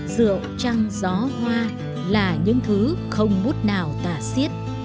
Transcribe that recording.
rượu trăng gió hoa là những thứ không bút nào tả xiết